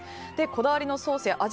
こだわりのソースや味